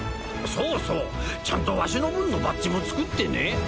そうそうちゃんとワシの分のバッジも作ってね。